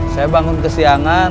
saya bangun kesiangan